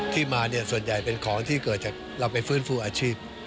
ที่มาเนี่ยส่วนใหญ่เป็นของที่เกิดจากเราไปฟื้นฟูอาชีพ